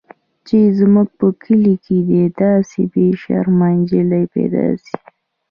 چې زموږ په کلي کښې دې داسې بې شرمه نجلۍ پيدا سي.